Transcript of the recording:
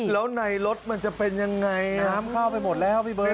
แล้วในรถมันจะเป็นยังไงน้ำเข้าไปหมดแล้วพี่เบิร์